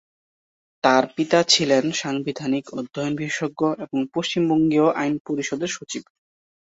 তার পিতা ছিলেন সাংবিধানিক অধ্যয়ন বিশেষজ্ঞ এবং পশ্চিম বঙ্গীয় আইন পরিষদের সচিব।